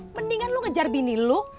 mendingan lu ngejar bini lo